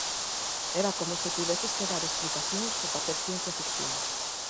Era como se tiveses que dar explicacións por facer ciencia ficción.